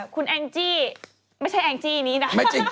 คุณงแองจิก็ไม่ใช่อะงจิอี๋นีนะ